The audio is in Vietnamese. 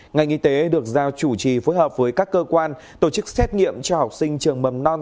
ngành y tế được giao chủ trì phối hợp với các cơ quan tổ chức xét nghiệm cho học sinh trường mầm non